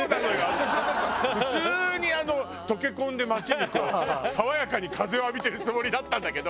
私はなんか普通にあの溶け込んで街に爽やかに風を浴びてるつもりだったんだけど。